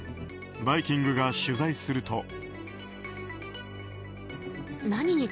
「バイキング」が取材すると。